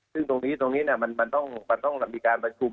ซึ่งตรงนี้ตรงนี้มันต้องมีการประชุม